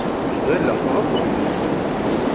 Ɣileɣ-t d ṭṭbib.